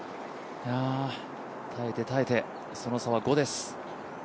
耐えて耐えて、その差は５です。